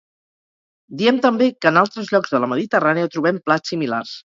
Diem també que en altres llocs de la Mediterrània trobem plats similars